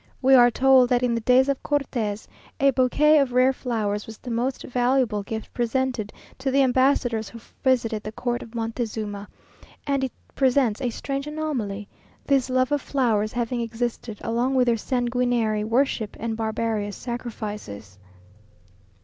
We are told that in the days of Cortes a bouquet of rare flowers was the most valuable gift presented to the ambassadors who visited the court of Montezuma, and it presents a strange anomaly, this love of flowers having existed along with their sanguinary worship and barbarous sacrifices.